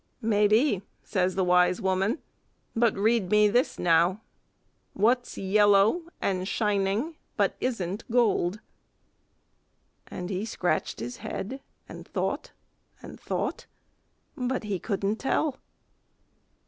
"Maybe," says the wise woman, "but read me this, now, what's yellow and shining but isn't gold?" And he scratched his head, and thought and thought, but he couldn't tell.